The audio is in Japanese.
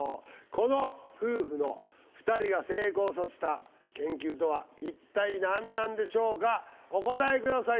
この夫婦の２人が成功させた研究とは一体何なんでしょうかお答えください